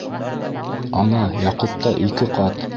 - Ана Яҡупта ике ҡат.